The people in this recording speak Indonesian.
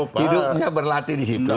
hidupnya berlatih di situ